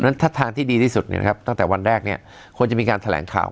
เพราะฉะนั้นทางที่ดีที่สุดเนี้ยนะครับตั้งแต่วันแรกเนี้ยควรจะมีการแถลงข่าว